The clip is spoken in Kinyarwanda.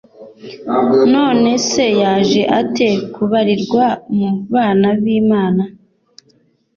None se yaje ate kubarirwa mu bana b’Imana?